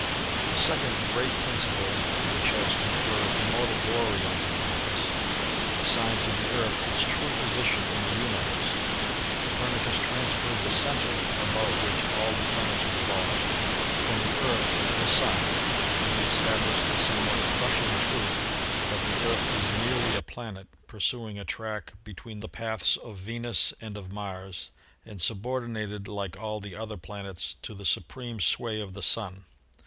The second great principle, which has conferred immor tal glory upon Copernicus, assigned to the Earth its true position in the universe. Copernicus transferred the cen ter, about which all the planets revolve, from the Earth to the Sun, and he established the somewhat crushing truth that the Earth is merely a planet, pursuing a track be tween the paths of Venus and of Mars and subordinated 72 ASTRONOMY like all the other planets to the supreme sway of the Sun.